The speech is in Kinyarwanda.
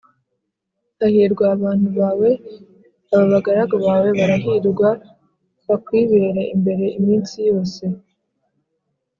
Hahirwa abantu bawe! Aba bagaragu bawe barahirwa bakwibera imbere iminsi yose